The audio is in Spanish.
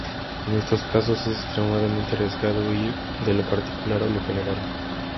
En estos casos, es extremadamente arriesgado ir de lo particular a lo general.